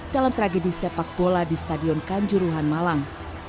dalam tragedi sepak bola di stadion kanjuruhan malang